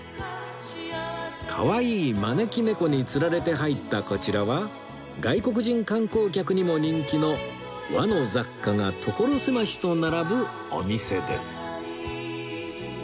かわいい招き猫に釣られて入ったこちらは外国人観光客にも人気の和の雑貨が所狭しと並ぶお店です